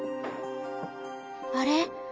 あれ？